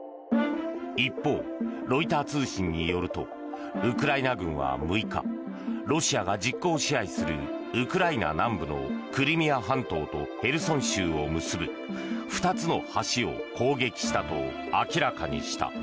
一方、ロイター通信によるとウクライナ軍は６日ロシアが実効支配するウクライナ南部のクリミア半島とヘルソン州を結ぶ２つの橋を攻撃したと明らかにした。